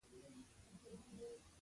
وروسته ساز او سندري پیل شوې.